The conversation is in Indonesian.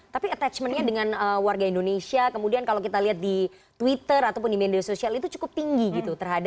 tapi attachmentnya dengan warga indonesia kemudian kalau kita lihat di twitter ataupun di media sosial itu cukup tinggi gitu